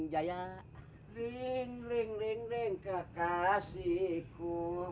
jaya ling ling kekasihku